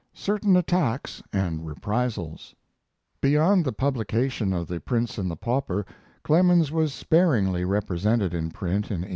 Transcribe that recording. CERTAIN ATTACKS AND REPRISALS Beyond the publication of The Prince and the Pauper Clemens was sparingly represented in print in '81.